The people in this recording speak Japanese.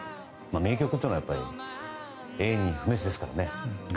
名曲というのはやっぱり、永遠に不滅ですから。